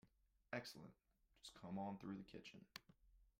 Excellent, just come on through to the kitchen.